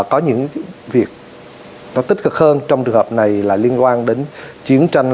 có những việc nó tích cực hơn trong trường hợp này là liên quan đến chiến tranh